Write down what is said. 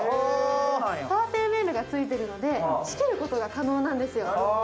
カーテンレールがついているので、仕切ることが可能なんですよ。